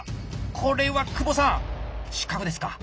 これは久保さん失格ですか？